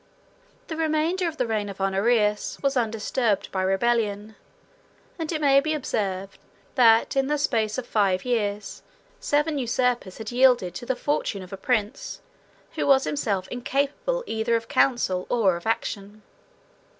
The remainder of the reign of Honorius was undisturbed by rebellion; and it may be observed, that, in the space of five years, seven usurpers had yielded to the fortune of a prince, who was himself incapable either of counsel or of action.